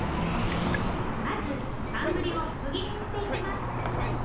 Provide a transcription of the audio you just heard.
まず寒ブリを細切りにしていきます。